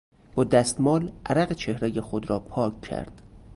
با دستمال عرق چهرهی خود را پاک کرد.